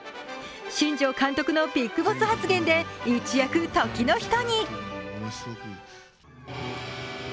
新城監督のビッグボス発言で一躍時の人に。